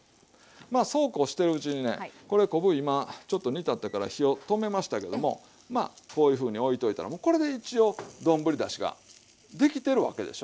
まあそうこうしてるうちにねこれ昆布今ちょっと煮立ったから火を止めましたけどもまあこういうふうに置いといたらもうこれで一応丼だしができてるわけでしょ。